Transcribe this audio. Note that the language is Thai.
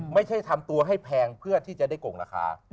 ไม่ใช่ทำตัวให้แพงเพื่อที่จะได้โก่งราคา